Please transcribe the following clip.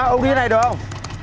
ông đi này được không